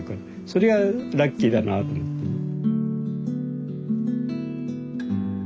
それはラッキーだなと思ってね。